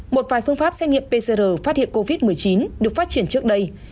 một vài phương pháp xét nghiệm pcr phát hiện covid một mươi chín được phát triển trước đây